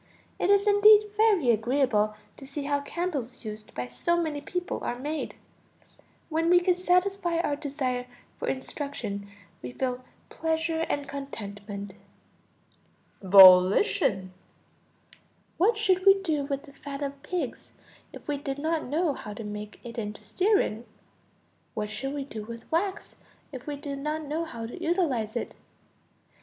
It is indeed very agreeable to see how candles used by so many people are made. When we can satisfy our desire for instruction we feel pleasure and contentment. Volition. What should we do with the fat of pigs if we did not know how to make it into stearine? What should we do with wax if we did not know how to utilize it?